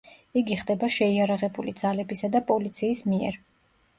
იგი ხდება შეიარაღებული ძალებისა და პოლიციის მიერ.